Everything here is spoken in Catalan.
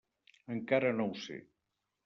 Encara no ho sé.